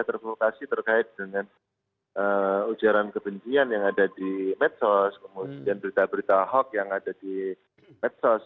terprovokasi terkait dengan ujaran kebencian yang ada di medsos kemudian berita berita hoax yang ada di medsos